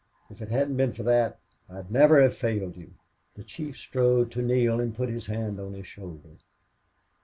"If it hadn't been for that I'd never have failed you." The chief strode to Neale and put a hand on his shoulder.